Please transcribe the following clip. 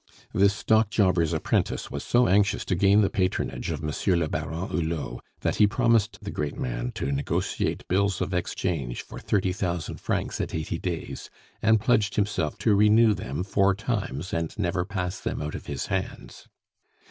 This stock jobber's apprentice was so anxious to gain the patronage of Monsieur le Baron Hulot, that he promised the great man to negotiate bills of exchange for thirty thousand francs at eighty days, and pledged himself to renew them four times, and never pass them out of his hands.